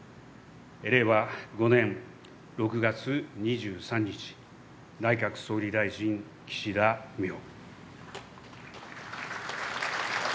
令和５年６月２３日内閣総理大臣、岸田文雄。